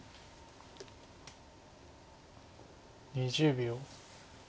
２０秒。